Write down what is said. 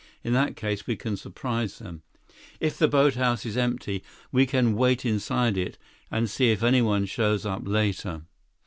In that case, we can surprise them. If the boathouse is empty, we can wait inside it and see if anyone shows up later."